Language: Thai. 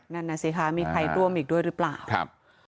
นั่นน่ะสิคะมีใครร่วมอีกด้วยหรือเปล่าครับ